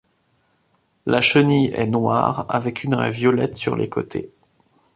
La chenille est noire avec une raie violette sur les côtés.